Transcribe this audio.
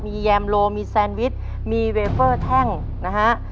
มีแยมโลมีแซนวิชมีเวเฟอร์แท่งนะฮะ